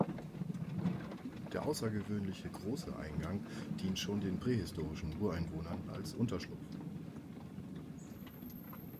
Der außergewöhnliche große Eingang dient schon den prähistorischen Ureinwohnern als Unterschlupf.